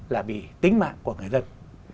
là bị tính mạng của người dân